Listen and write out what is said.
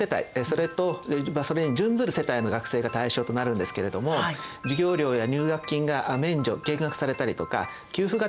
それとそれに準ずる世帯の学生が対象となるんですけれども授業料や入学金が免除・減額されたりとか給付型の奨学金が支給されたりします。